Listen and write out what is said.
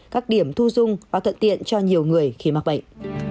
các điểm thu dung và thận tiện cho nhiều người khi mặc bệnh